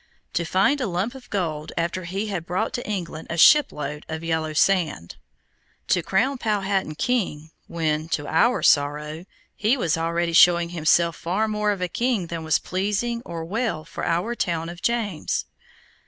To find a lump of gold, after he had brought to England a shipload of yellow sand! To crown Powhatan king, when, to our sorrow, he was already showing himself far more of a king than was pleasing or well for our town of James!